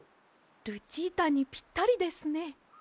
ルチータにぴったりですね。